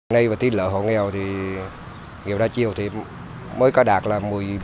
ngay vào tiết lợi hộ nghèo thì nghèo đa chiều thì mới có đạt là một mươi ba ba mươi ba